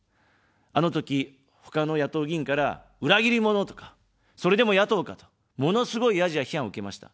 あのとき、ほかの野党議員から裏切り者とか、それでも野党かと、ものすごいヤジや批判を受けました。